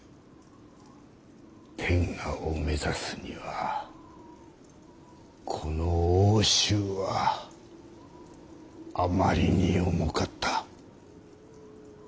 天下を目指すにはこの奥州はあまりに重かった。